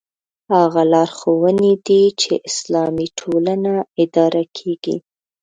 هغه لارښوونې دي چې اسلامي ټولنه اداره کېږي.